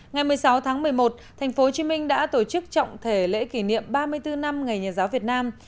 ngày một mươi sáu tháng một mươi một tp hcm đã tổ chức trọng thể lễ kỷ niệm ba mươi bốn năm ngày nhà giáo việt nam